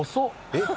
えっ？